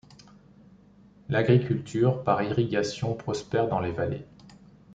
L'agriculture par irrigation prospère dans les vallées.